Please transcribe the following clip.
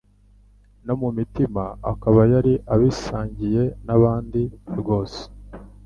no mu mutima akaba yari abisangiye na nbanda rwose.